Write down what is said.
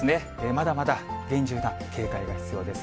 まだまだ厳重な警戒が必要です。